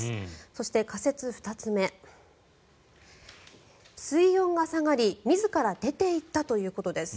そして、仮説２つ目水温が下がり自ら出ていったということです。